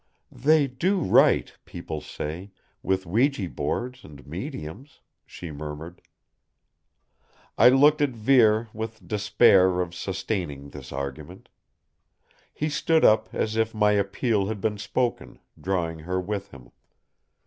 '" "They do write, people say, with ouija boards and mediums," she murmured. I looked at Vere with despair of sustaining this argument. He stood up as if my appeal had been spoken, drawing her with him.